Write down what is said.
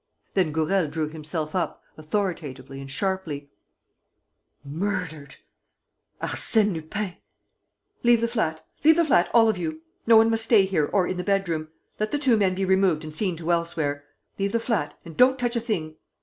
Then Gourel drew himself up, authoritatively and sharply: "Murdered! ... Arsène Lupin! ... Leave the flat. ... Leave the flat, all of you! ... No one must stay here or in the bedroom. ... Let the two men be removed and seen to elsewhere! ... Leave the flat ... and don't touch a thing